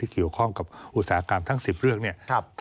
เกี่ยวข้องกับอุตสาหกรรมทั้ง๑๐เรื่องเนี่ย